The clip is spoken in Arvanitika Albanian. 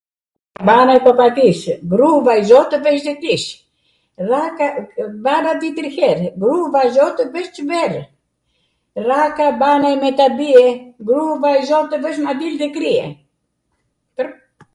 ...anw e Papandis, ngru vajzo tw vesh nw klish, ra kambana di tri her, ngru vajzo tw vwsh Cemberw, ra kambana me ata die, ngru vajzo tw vwsh mandil nw krie